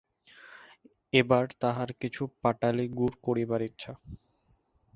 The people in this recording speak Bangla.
এবার তাহার কিছু পাটালি গুড় করিবার ইচ্ছা।